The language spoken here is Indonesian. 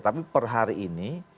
tapi per hari ini